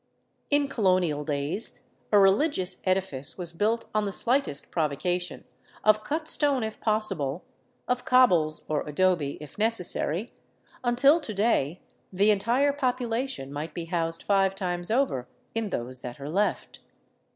In colonial days a religious edifice was built on the slightest provocation, of cut stone if possible, of cobbles or adobe if necessary, until to day the entire population might be housed five times over in those that are left.